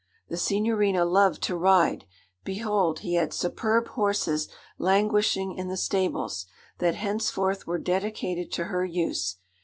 The Signorina loved to ride. Behold he had superb horses languishing in the stables, that henceforth were dedicated to her use.